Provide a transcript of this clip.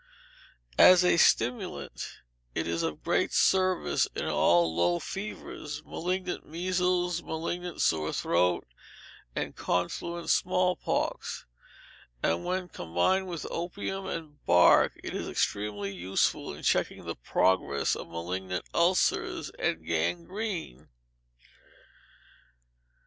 As a stimulant it is of great service in all low fevers, malignant measles, malignant sore throat, and confluent small pox; and when combined with opium and bark, it is extremely useful in checking the progress of malignant ulcers, and gangrene.